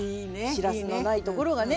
しらすのないところがね